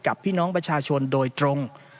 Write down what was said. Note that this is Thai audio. พี่น้องประชาชนโดยตรง